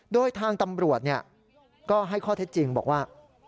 โดยทางตำรวจก็ให้ข้อเท็จจริงบอกว่า